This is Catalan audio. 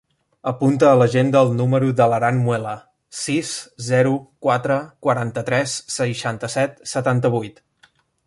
Apunta a l'agenda el número de l'Aran Muela: sis, zero, quatre, quaranta-tres, seixanta-set, setanta-vuit.